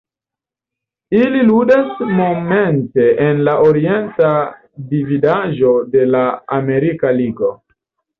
Ili ludas momente en la Orienta Dividaĵo de la Amerika Ligo.